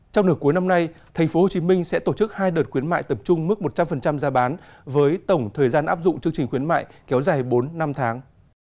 trong nửa cuối năm nay tp hcm sẽ tổ chức hai đợt khuyến mại tập trung mức một trăm linh giá bán với tổng thời gian áp dụng chương trình khuyến mại kéo dài bốn năm tháng